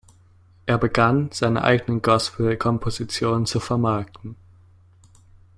Er begann, seine eigenen Gospel-Kompositionen zu vermarkten.